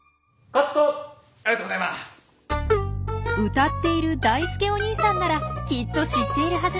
歌っているだいすけおにいさんならきっと知っているはず。